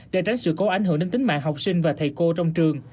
để tránh sự cố ảnh hưởng đến tính mạng học sinh và thầy cô trong trường